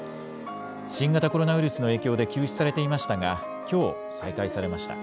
新型コロナウイルスの影響で休止されていましたが、きょう、再開されました。